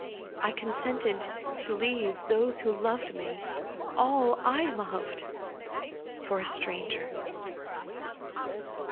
I consented to leave those who loved me, all I loved, for a stranger.